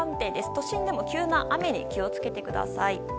都心でも急な雨に気を付けてください。